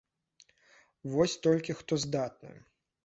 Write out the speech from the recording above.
Вось толькі хто здатны?